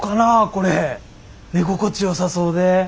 これ寝心地よさそうで。